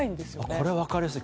これは分かりやすい。